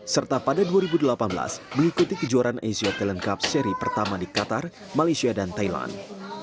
serta pada dua ribu delapan belas mengikuti kejuaraan asia talent cup seri pertama di qatar malaysia dan thailand